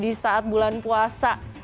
di saat bulan puasa